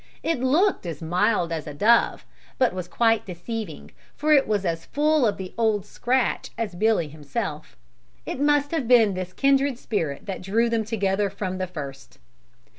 It looked as mild as a dove, but was quite deceiving for it was as full of the "old scratch" as Billy himself. It must have been this kindred spirit that drew them together from the first.